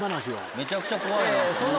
めちゃくちゃ怖い。